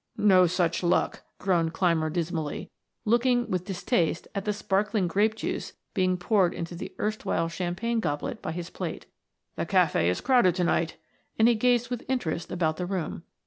"No such luck," groaned Clymer dismally, looking with distaste at the sparkling grape juice being poured into the erstwhile champagne goblet by his plate. "The cafe is crowded to night," and he gazed with interest about the room.